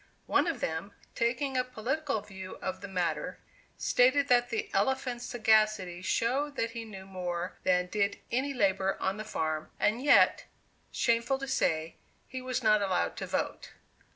One of them, taking a political view of the matter, stated that the elephant's sagacity showed that he knew more than did any laborer on the farm, and yet, shameful to say, he was not allowed to vote.